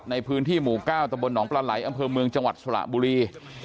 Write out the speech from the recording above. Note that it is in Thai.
ในพื้นที่หมู่๙ตะบลหนองปลาไหลอำเภอเมืองจังหวัดสระบุรี